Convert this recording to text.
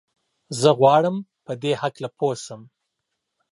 زه غواړم په دي هکله پوه سم.